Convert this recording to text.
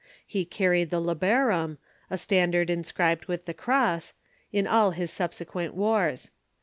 He carried the labarum, a standard inscribed with the cross, in all his subsequent wars.